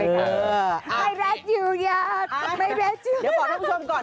เดี๋ยวบอกเพื่อนพี่ชมก่อน